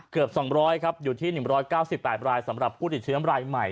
เกือบ๒๐๐ครับอยู่ที่๑๙๘รายสำหรับผู้ติดเชื้อรายใหม่